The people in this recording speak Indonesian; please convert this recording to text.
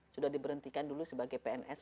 sudah diberhentikan dulu sebagai pns